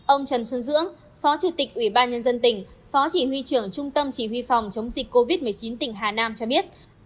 ông trần xuân dưỡng phó chủ tịch ủy ban nhân dân tỉnh phó chỉ huy trưởng trung tâm chỉ huy phòng chống dịch covid một mươi chín tỉnh hà nam cho biết